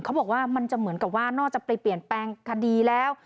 เขาบอกว่ามันจะเหมือนกับว่านอกจากไปเปลี่ยนแปลงคดีแล้ว